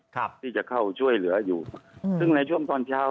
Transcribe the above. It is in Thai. ครับที่จะเข้าช่วยเหลืออยู่อืมซึ่งในช่วงตอนเช้า